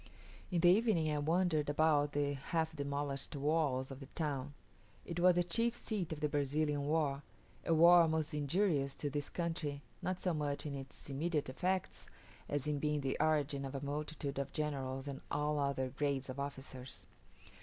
In the evening I wandered about the half demolished walls of the town. It was the chief seat of the Brazilian war; a war most injurious to this country, not so much in its immediate effects, as in being the origin of a multitude of generals and all other grades of officers.